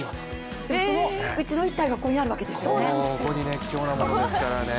そのうちの１体がここにあるわけですよね。